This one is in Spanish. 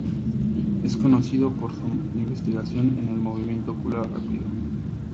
Es conocido por su investigación en el Movimiento ocular rápido.